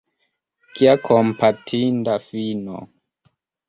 Kia kompatinda fino!